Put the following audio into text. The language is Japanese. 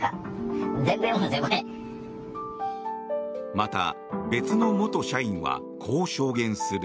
また、別の元社員はこう証言する。